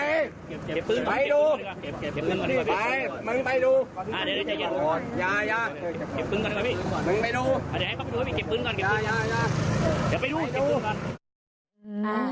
เดี๋ยวไปดู